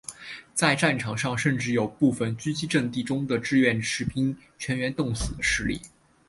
在战场上甚至有部分阻击阵地中的志愿兵士兵全员冻死的事例。